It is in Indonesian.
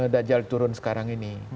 dajjal turun sekarang ini